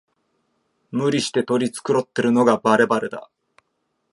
無理して取り繕ってるのがバレバレだ